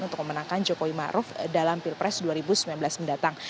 untuk memenangkan jokowi ⁇ maruf ⁇ dalam pilpres dua ribu sembilan belas mendatang